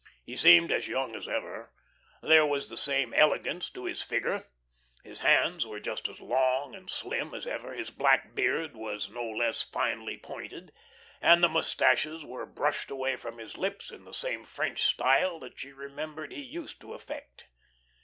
He seemed as young as ever; there was the same "elegance" to his figure; his hands were just as long and slim as ever; his black beard was no less finely pointed, and the mustaches were brushed away from his lips in the same French style that she remembered he used to affect.